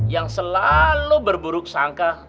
yang selalu berburuk sangka